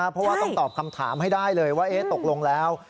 เพราะว่าต้องตอบคำถามให้ได้เลยว่าตกลงแล้ว